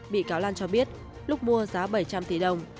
bị cáo lan cho biết lúc mua giá bảy trăm linh tỷ đồng